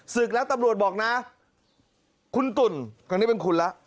ศึกแล้วตำรวจบอกนะคุณตุ่นครั้งนี้เป็นคุณแล้ว